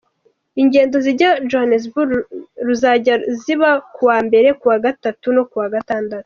Ingendo zijya Johanesbourg ruzajya ziba kuwa mbere, kuwa gatatu no kuwa gatandatu.